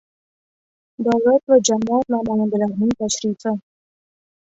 Davlat va jamoat namoyandalarining tashrifi.